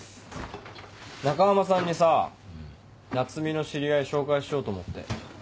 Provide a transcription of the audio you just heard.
中浜さんにさ奈津美の知り合い紹介しようと思って。